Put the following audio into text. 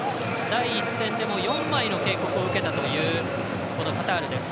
第１戦でも４枚の警告を受けたというカタールです。